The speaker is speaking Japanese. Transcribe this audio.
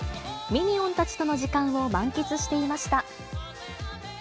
ミニオンたちとの時間を満喫していました。